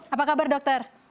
apa kabar dokter